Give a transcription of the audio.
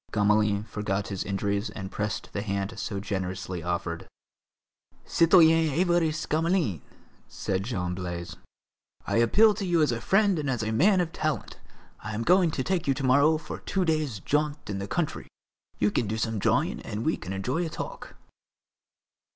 Gamelin forgot his injuries and pressed the hand so generously offered. "Citoyen Évariste Gamelin," said Jean Blaise, "I appeal to you as a friend and as a man of talent. I am going to take you to morrow for two days' jaunt in the country; you can do some drawing and we can enjoy a talk."